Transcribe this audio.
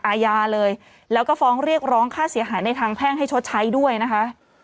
อาญาเลยแล้วก็ฟ้องเรียกร้องค่าเสียหายในทางแพ่งให้ชดใช้ด้วยนะคะ